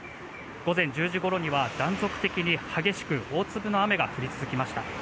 午前１０時ごろには断続的に激しく大粒の雨が降り続きました。